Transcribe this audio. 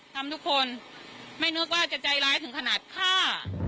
ทำทุกคนไม่นึกว่าจะใจร้ายถึงขนาดฆ่า